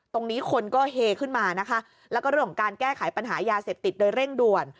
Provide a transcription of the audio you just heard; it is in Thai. ตรงนี้คนก็เฮขึ้นมานะคะแล้วก็เรื่องของการแก้ไขปัญหายาเสพติดโดยเร่งด่วน